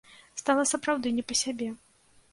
Стала сапраўдны не па сябе.